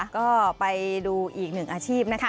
ก็ไปดูอีกหนึ่งอาชีพนะคะ